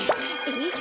えっ？